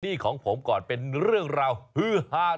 นี่ของผมก่อนเป็นเรื่องราวฮือฮาน